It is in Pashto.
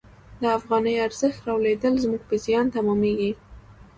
د افغانۍ ارزښت رالوېدل زموږ په زیان تمامیږي.